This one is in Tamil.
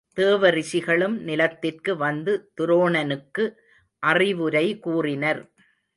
தேவ ரிஷிகளும் நிலத்திற்கு வந்து துரோணனுக்கு அறிவுரை கூறினர்.